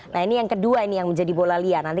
nah ini yang kedua ini yang menjadi bola liat